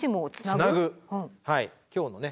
今日のね